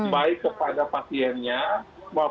baik kepada pasiennya